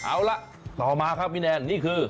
เอาละต่อมาครับพี่แนนนี่คือ